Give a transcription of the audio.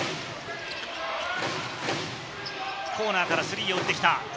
コーナーからスリーを打ってきた。